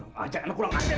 kurang ajar kamu kurang ajar